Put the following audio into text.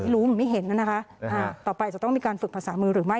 รู้หรือไม่เห็นน่ะนะคะต่อไปจะต้องมีการฝึกภาษามือหรือไม่